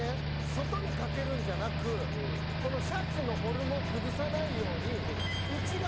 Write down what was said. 外にかけるんじゃなくこのシャツのフォルムを崩さないように内側にする。